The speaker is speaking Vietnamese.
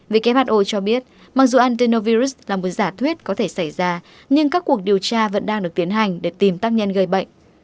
who cho biết mặc dù antenovirus là một giả thuyết có thể xảy ra nhưng các cuộc điều tra vẫn đang được tiến hành để tìm tác nhân gây bệnh